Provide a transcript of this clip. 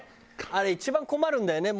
あれ一番困るんだよね。